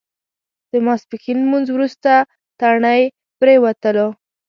د ماسپښین لمونځ وروسته تڼۍ پرېوتلو.